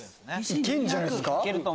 いけんじゃないっすか？